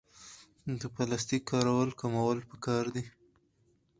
د پلاستیک کارول کمول پکار دي